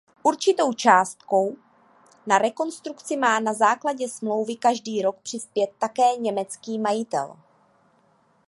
Určitou částkou na rekonstrukci má na základě smlouvy každý rok přispět také německý majitel.